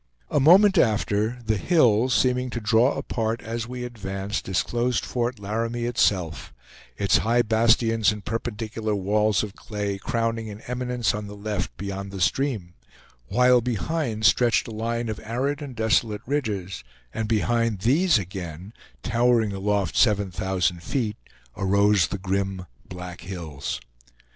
A moment after the hills, seeming to draw apart as we advanced, disclosed Fort Laramie itself, its high bastions and perpendicular walls of clay crowning an eminence on the left beyond the stream, while behind stretched a line of arid and desolate ridges, and behind these again, towering aloft seven thousand feet, arose the grim Black Hills.